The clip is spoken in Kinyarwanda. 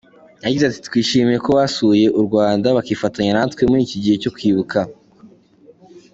Yagize ati “Twishimiye ko basuye u Rwanda bakifatanya natwe muri iki gihe cyo kwibuka.